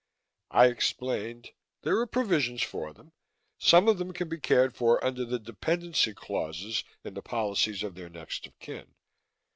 I explained, "There are provisions for them. Some of them can be cared for under the dependency clauses in the policies of their next of kin.